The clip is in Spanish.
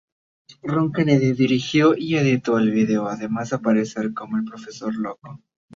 Ron Kennedy dirigió y editó el video, además de aparecer como el profesor loco.